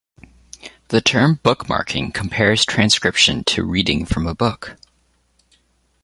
The term bookmarking compares transcription to reading from a book.